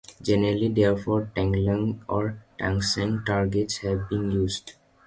Generally, therefore, tantalum or tungsten targets have been used.